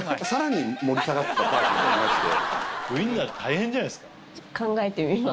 ウインナー大変じゃないですか？